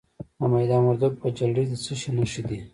د میدان وردګو په جلریز کې د څه شي نښې دي؟